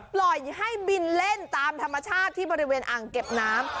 ปล่อยให้บินเล่นตามธรรมชาติที่บริเวณอ่างเก็บน้ำ